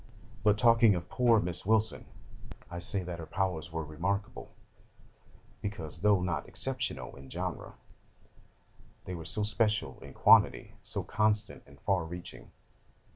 'But talking of poor Miss Wilson, I say that her powers were remarkable, because, though not exceptional in genre, they were so special in quantity, so "constant," and "far reaching."